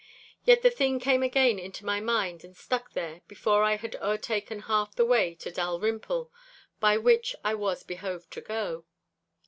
Yet the thing came again into my mind and stuck there, before I had o'ertaken half the way to Dalrymple, by which I was behoved to go.